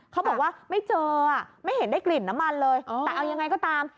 เขาบอกว่าไม่เจอไม่เห็นได้กลิ่นน้ำมันเลยแต่เอายังไงก็ตาม